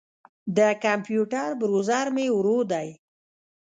د کمپیوټر بروزر مې ورو دی.